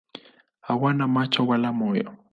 Hawana macho wala moyo.